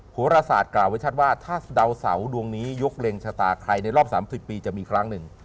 โหรศาสตร์กล่าวไว้ชัดว่าถ้าดาวเสาดวงนี้ยกเล็งชะตาใครในรอบ๓๐ปีจะมีครั้งหนึ่ง